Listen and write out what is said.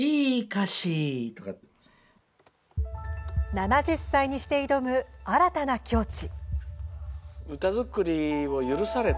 ７０歳にして挑む、新たな境地。